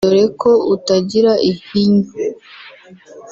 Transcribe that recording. Dore ko utagira ihinyu